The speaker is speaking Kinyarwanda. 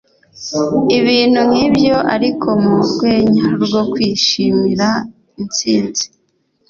ibintu nk’ibyo ariko mu rwenya rwo kwishimira intsinzi